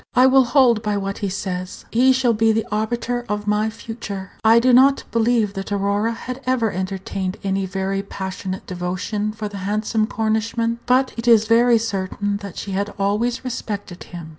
"I will hold by what he says. He shall be the arbiter of my future." I do not believe that Aurora had ever entertained any very passionate devotion for the handsome Cornishman, but it is very certain that she had always respected him.